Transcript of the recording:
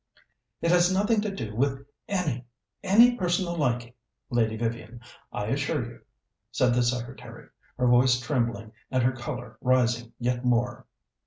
"It has nothing to do with any any personal liking, Lady Vivian, I assure you," said the secretary, her voice trembling and her colour rising yet more.